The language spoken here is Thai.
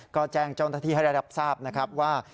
ก็แจ้งเจ้าหน้าที่ให้ได้รับทราบนะครับว่า